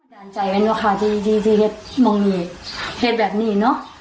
ด่านใจบนอุากาถิติธริชมองงีตเหรียดแบบนี้เนอะ